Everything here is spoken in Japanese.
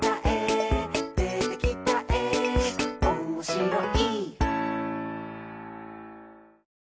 「でてきたえおもしろい」